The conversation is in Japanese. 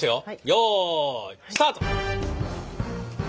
よいスタート！